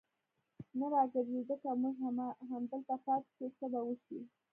نه را ګرځېده، که موږ همدلته پاتې شو، څه به وشي.